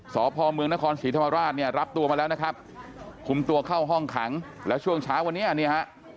สพเมืองนครศรีธรรมราชเนี่ยรับตัวมาแล้วนะครับคุมตัวเข้าห้องขังแล้วช่วงเช้าวันนี้เนี่ยฮะ